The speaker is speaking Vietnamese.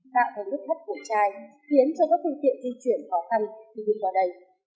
thạc thần đức thất cụ trài khiến cho các phương tiện di chuyển khó khăn khi đi qua đây